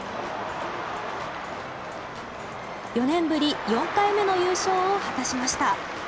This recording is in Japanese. ４年ぶり４回目の優勝を果たしました。